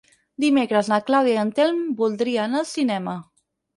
Dimecres na Clàudia i en Telm voldria anar al cinema.